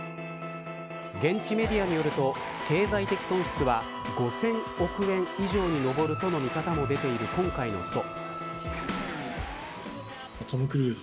現地メディアによると経済的損失は５０００億円以上に上るとの見方も出ている今回のスト。